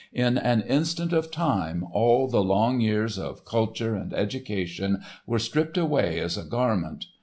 In an instant of time all the long years of culture and education were stripped away as a garment.